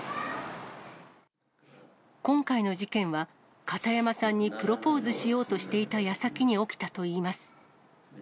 今回の事件は、片山さんにプロポーズしようとしていたやさきに起きたといいます。